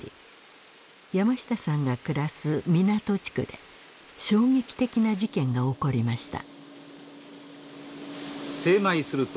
山下さんが暮らす湊地区で衝撃的な事件が起こりました。